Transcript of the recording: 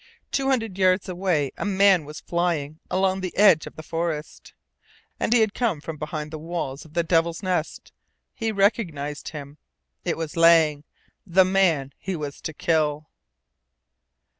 Two hundred yards away a man was flying along the edge of the forest, and he had come FROM BEHIND THE WALLS OF THE DEVIL'S NEST! He recognized him. It was Lang, the man he was to kill!